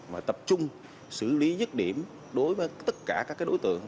và tập trung xử lý nhất điểm đối với tất cả các đối tượng